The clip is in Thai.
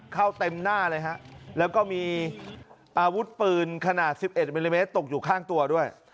เต็มหน้าเลยฮะแล้วก็มีอาวุธปืนขนาด๑๑มิลลิเมตรตกอยู่ข้างตัวด้วย